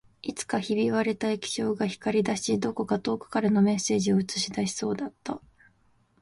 いつかひび割れた液晶が光り出し、どこか遠くからのメッセージを映し出しそうだった